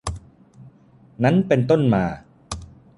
นั้นเป็นต้นมา